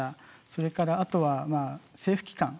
それからあとは政府機関。